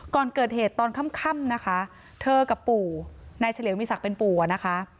ก่อนเกิดเหตุตอนค่ำนะคะเธอกับปู่นายเฉลี่ยงมีศักดิ์เป็นปู่อะนะคะ